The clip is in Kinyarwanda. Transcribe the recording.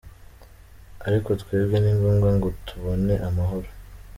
Ariko twebwe ni ngombwa ngo tubone amahoro.